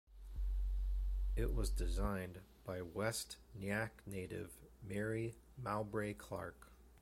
It was designed by West Nyack native Mary Mowbray-Clark.